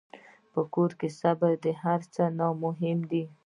په کور کې صبر د هر څه نه مهم دی.